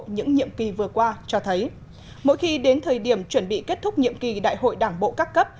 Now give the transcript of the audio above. những nhiệm kỳ vừa qua cho thấy mỗi khi đến thời điểm chuẩn bị kết thúc nhiệm kỳ đại hội đảng bộ các cấp